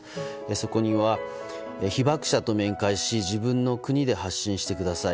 そこには被爆者と面会し自分の国で発信してください。